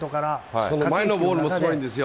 その前のボールもすごいんですよ。